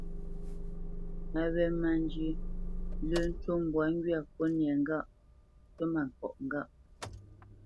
Á wé má njyə̄, lə́ ncú mbwǎ ŋgywâ kywítmâŋkɔʼ ŋgâʼ.